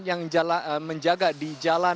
yang menjaga di jalan